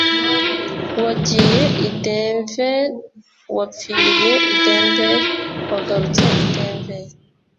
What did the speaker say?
wagiye i denver, wapfiriye i denver, wagarutse i denver